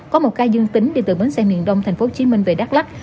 có một ca dương tính đi từ bến xe miền đông tp hcm về đắk lắc